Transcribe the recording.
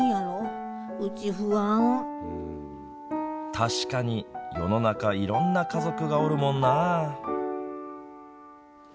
確かに、世の中いろんな家族がおるもんな。